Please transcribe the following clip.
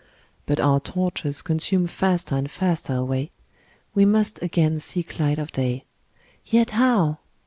But our torches consume faster and faster away ; we must again seek light of day. Yet how